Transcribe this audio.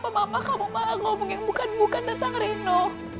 kenapa mama kamu mau ngomong yang bukan bukan tentang reno